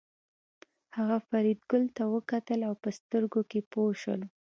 هغه فریدګل ته وکتل او په سترګو کې پوه شول